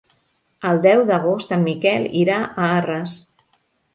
El deu d'agost en Miquel irà a Arres.